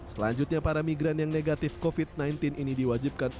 selanjutnya para migran yang negatif covid sembilan belas ini diwajibkan